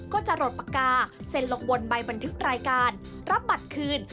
ก็จะหลดปากกาเซ็นลงบนใบบันทึกรายการรับบัตรคืน